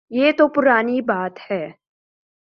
یہ تو پرانی بات ہے۔